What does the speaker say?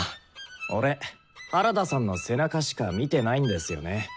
俺原田さんの背中しか見てないんですよね。